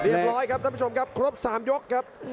ร้อยครับท่านผู้ชมครับครบ๓ยกครับ